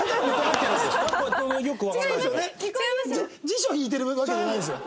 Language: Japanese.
辞書引いてるわけじゃないんですよ。